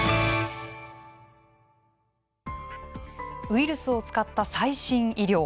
ウイルスを使った最新医療。